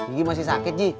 ini masih sakit ji